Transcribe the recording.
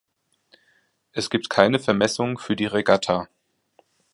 Es gibt keine Vermessung für die Regatta.